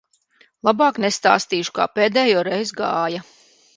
Labāk nestāstīšu, kā pēdējoreiz gāja.